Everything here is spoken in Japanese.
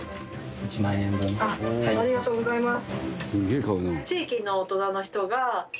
ありがとうございます。